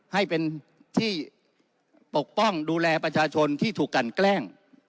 ให้เป็นที่ปกป้องดูแลประชาชนที่ถูกกันแกล้ง